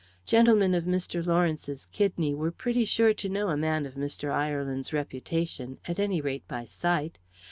Gentlemen of Mr. Lawrence's kidney were pretty sure to know a man of Mr. Ireland's reputation, at any rate by sight.